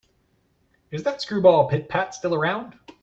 Is that screwball Pit-Pat still around?